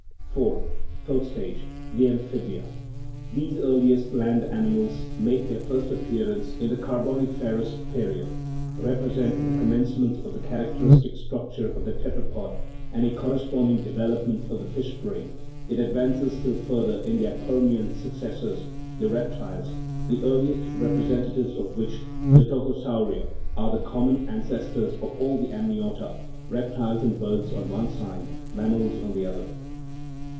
IV. Fourth stage the amphibia. These earliest land animals, making their first appearance in the Car boniferous period, represent the commencement of the characteristic structure of the tetrapod and a correspond ing development of the fish brain: it advances still further in their Permian successors, the reptiles, the earliest representatives of which, the tocosauria, are the common ancestors of all the amniota (reptiles and birds on one side, mammals on the other).